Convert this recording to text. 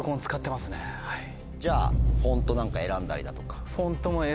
じゃあフォントなんか選んだりだとか。